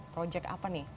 proyek apa nih